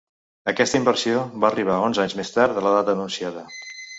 Aquesta inversió va arribar onze anys més tard de la data anunciada.